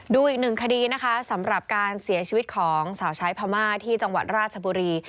ดูอีกหนึ่งคดีนะคะสำหรับการเสียชีวิตของสาวใช้พม่าที่จังหวัดราชบุรี